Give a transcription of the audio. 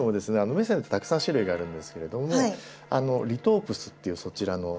メセンってたくさん種類があるんですけれどもリトープスっていうそちらの。